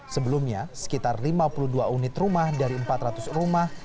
sebelumnya sekitar lima puluh dua unit rumah dari empat ratus rumah